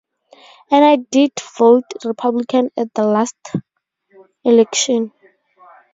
And I did vote Republican at the last election.